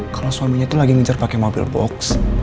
kalau suaminya itu lagi ngincar pakai mobil box